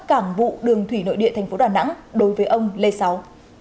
cảng vụ đường thủy nội địa thành phố đà nẵng đối với ông lê sáu